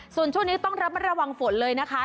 ส่วนช่วงนี้ต้องระมัดระวังฝนเลยนะคะ